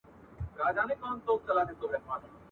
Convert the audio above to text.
سمدستي سو پوه د زرکي له پروازه !.